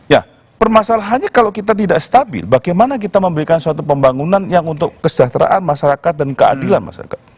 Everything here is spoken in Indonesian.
ya permasalahannya kalau kita tidak stabil bagaimana kita memberikan suatu pembangunan yang untuk kesejahteraan masyarakat dan keadilan masyarakat